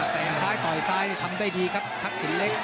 แต่งซ้ายต่อยซ้ายทำได้ดีครับทักษิณเล็ก